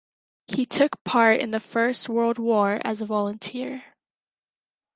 He took part in the First World War as a volunteer.